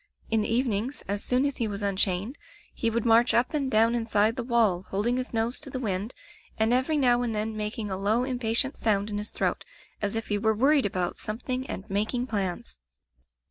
In the evenings, as soon as he was unchained, he would march up and down inside the wall, holding his nose to the wind and every now and then making a low im patient sound in his throat, as if he were wor ried about something and making plans.